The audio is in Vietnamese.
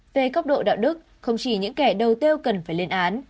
về góc độ đạo đức không chỉ những kẻ đầu tư cần phải lên án